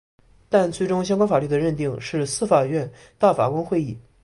但最终相关法律的认定是司法院大法官会议。